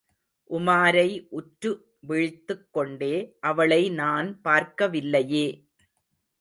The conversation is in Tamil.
உமாரை உற்று விழித்துக் கொண்டே, அவளை நான் பார்க்கவில்லையே!